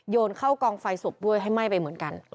นเข้ากองไฟศพด้วยให้ไหม้ไปเหมือนกัน